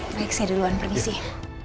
baik saya duluan pergi sih